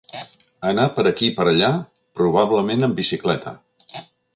Anar per aquí per allà, probablement en bicicleta.